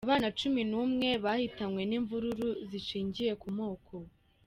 Abana Cumi Numwe bahitanywe n’imvururu zishingiye ku moko